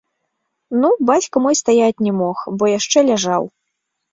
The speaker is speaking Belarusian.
Ну, бацька мой стаяць не мог, бо яшчэ ляжаў.